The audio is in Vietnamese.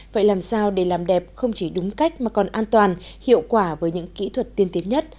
vậy làm sao để làm đẹp không chỉ đúng cách mà còn an toàn hiệu quả với những kỹ thuật tiên tiến nhất